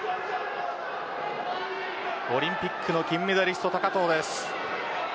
オリンピックの金メダリスト高藤です。